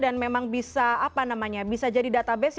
dan memang bisa jadi database